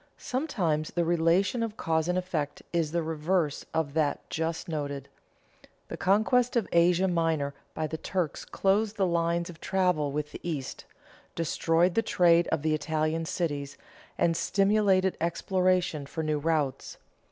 _ Sometimes the relation of cause and effect is the reverse of that just noted. The conquest of Asia Minor by the Turks closed the lines of travel with the East, destroyed the trade of the Italian cities, and stimulated exploration for new routes.